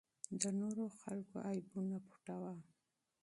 د نورو خلکو عیبونه پټوه.